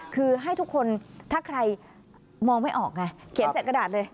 คือให้ทุกคนถ้าใครมองไม่ออกไงเขียนใส่กระดาษเลย